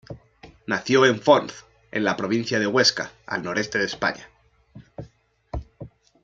Nació en Fonz, en la Provincia de Huesca, al noreste de España.